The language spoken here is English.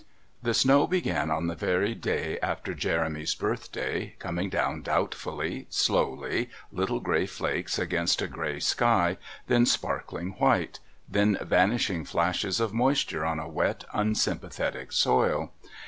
The snow began on the very day after Jeremy's birthday, coming down doubtfully, slowly, little grey flakes against a grey sky, then sparkling white, then vanishing flashes of moisture on a wet, unsympathetic soil.